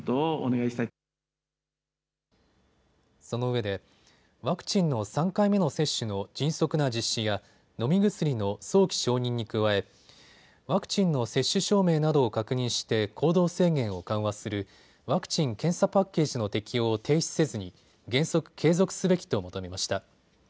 そのうえでワクチンの３回目の接種の迅速な実施や、飲み薬の早期承認に加えワクチンの接種証明などを確認して行動制限を緩和するワクチン・検査パッケージの適用を停止せずに原則、継続すべきと求めました。